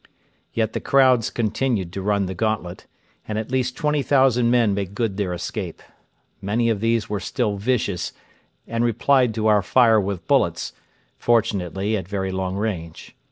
Yet the crowds continued to run the gauntlet, and at least 20,000 men made good their escape. Many of these were still vicious, and replied to our fire with bullets, fortunately at very long range.